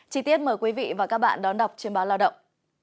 chí tiết mời quý vị và các bạn đón đọc trên báo lao động